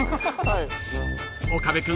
［岡部君